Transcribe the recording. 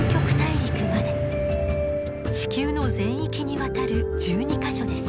地球の全域にわたる１２か所です。